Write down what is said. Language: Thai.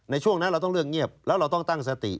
ในช่วงนั้นเราต้องเลือกเงียบแล้วเราต้องตั้งสติ